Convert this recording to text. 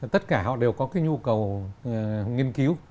tất cả họ đều có cái nhu cầu nghiên cứu